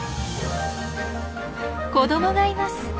子どもがいます。